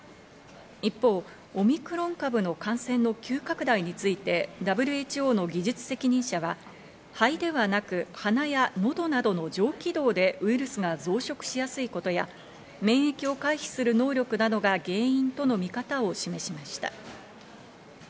一方、オミクロン株の感染の急拡大についてＷＨＯの技術責任者は、肺ではなく鼻や喉などの上気道でウイルスが増殖しやすいことや、免疫を回避する能力などが原因との見方を示しました。